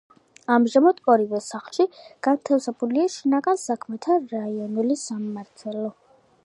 ამჟამად ორივე სახლში განთავსებულია შინაგან საქმეთა რაიონული სამმართველო.